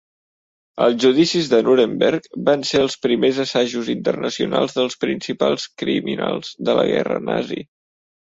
Els judicis de Nuremberg van ser els primers assajos internacionals dels principals criminals de la guerra nazi.